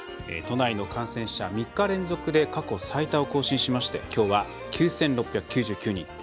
都内の感染者、３日連続で過去最多を更新しましてきょうは９６９９人。